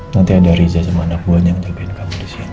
nanti ada riza sama anak buahnya yang jagain kamu disini